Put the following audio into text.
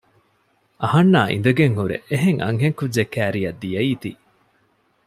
އަހަންނާ އިނދެގެންހުރެ އެހެން އަންހެން ކުއްޖެއް ކައިރިއަށް ދިޔައީތީ